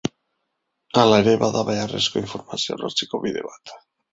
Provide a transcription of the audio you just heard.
Hala ere, bada beharrezko informazioa lortzeko bide bat.